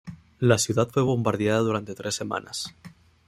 La ciudad fue bombardeada durante tres semanas.